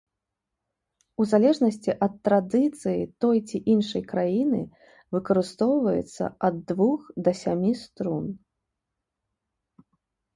У залежнасці ад традыцыі той ці іншай краіны выкарыстоўваецца ад двух да сямі струн.